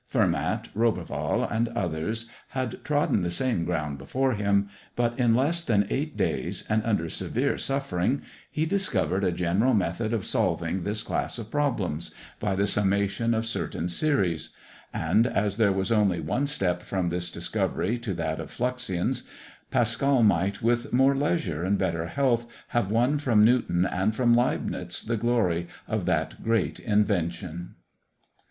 Fermat, Roberval, and others, had trodden the same ground before him; but, in less than eight days, and under severe suffering, he discovered a general method of solving this class of problems, by the summation of certain series; and as there was only one step from this discovery to that of Fluxions, Pascal might, with more leisure and better health, have won from Newton and from Leibnitz the glory of that great invention.